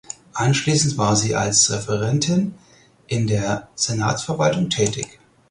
Anschließend war sie als Referentin in der Senatsverwaltung tätig.